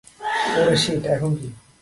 ওরে শিট - এখন কি?